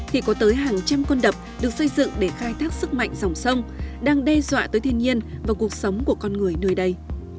thì có tới hàng trăm con đập được xây dựng để khai thác sức mạnh dòng sông đang đe dọa tới thiên nhiên và cuộc sống của con người nơi đây